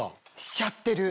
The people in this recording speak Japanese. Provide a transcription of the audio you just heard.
しちゃってる。